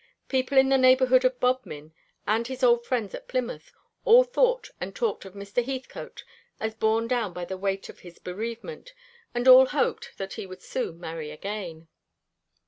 People in the neighbourhood of Bodmin, and his old friends at Plymouth, all thought and talked of Mr. Heathcote as borne down by the weight of his bereavement, and all hoped that he would soon marry again.